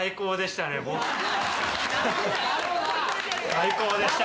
最高でした。